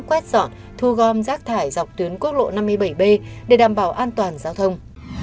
quét dọn thu gom rác thải dọc tuyến quốc lộ năm mươi bảy b để đảm bảo an toàn giao thông